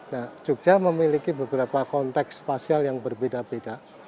nah jogja memiliki beberapa konteks spasial yang berbeda beda